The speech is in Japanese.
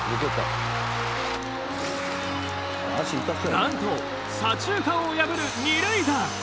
なんと左中間を破る二塁打。